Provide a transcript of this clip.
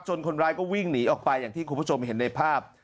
คนร้ายก็วิ่งหนีออกไปอย่างที่คุณผู้ชมเห็นในภาพ